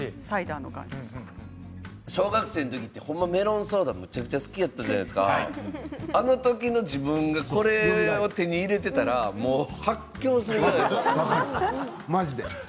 小学生の時ってメロンソーダ、めちゃくちゃ好きだったじゃないですかあの時の自分がこれを手に入れていたら発狂していた。